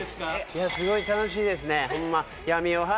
いやすごい楽しいですね